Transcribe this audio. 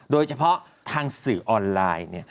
โดยเฉพาะทางสื่อออนไลน์